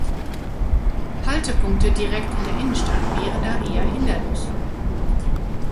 Haltepunkte direkt in der Innenstadt wären da eher hinderlich.